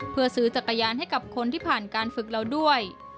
เพื่อซื้อจักรยานให้กับคนที่ผ่านการฝึกเราด้วย